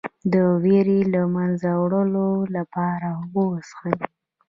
د ویرې د له منځه وړلو لپاره اوبه وڅښئ